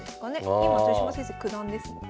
今豊島先生九段ですもんね。